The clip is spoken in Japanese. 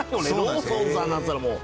ローソンさんなんつったらもう。